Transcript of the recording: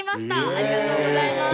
ありがとうございます。